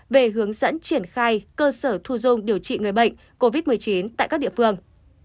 về hướng dẫn triển khai cơ sở thu dung điều trị người bệnh covid một mươi chín tại các địa phương